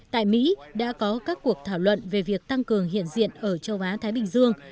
tại mỹ đã có các cuộc thảo luận về việc tăng cường hiện diện ở châu á thái bình dương